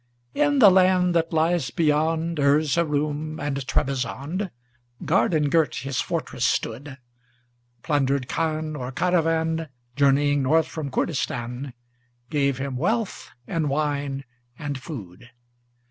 In the land that lies beyond Erzeroum and Trebizond, Garden girt his fortress stood; Plundered khan, or caravan Journeying north from Koordistan, Gave him wealth and wine and food.